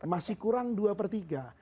masih kurang dua per tiga